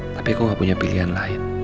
tapi kau gak punya pilihan lain